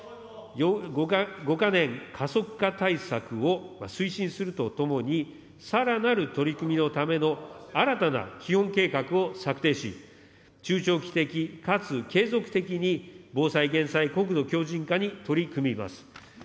５か年加速化対策を推進するとともに、さらなる取り組みのための新たな基本計画を策定し、中長期的かつ継続的に、防災・減災、国土強じん化に取り組みます。